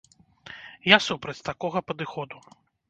Я супраць такога падыходу.